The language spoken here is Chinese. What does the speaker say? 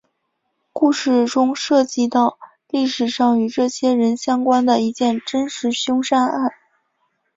故事中涉及到历史上与这些人相关的一件真实凶杀案。